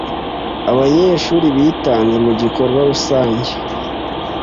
Abanyeshuri bitanze mugikorwa rusange.